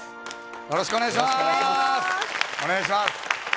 よろしくお願いします。